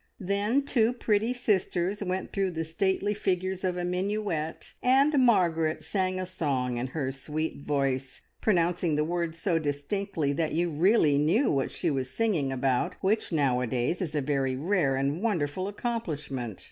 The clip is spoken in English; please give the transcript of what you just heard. Then two pretty sisters went through the stately figures of a minuet, and Margaret sang a song in her sweet voice, pronouncing the words so distinctly that you really knew what she was singing about, which nowadays is a very rare and wonderful accomplishment.